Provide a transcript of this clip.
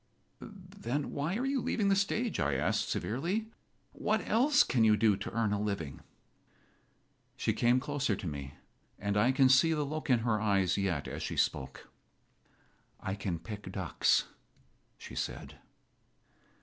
"Then why are you leaving the stage?" I asked, severely. "What else can you do to earn a living?" She came closer to me, and I can see the look in her eyes yet as she spoke. "I can pick ducks," she said.